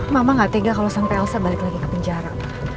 mama gak tega kalau sampai elsa balik lagi ke penjara